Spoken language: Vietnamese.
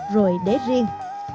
rồi đế riêng